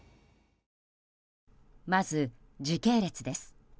まず、時系列です。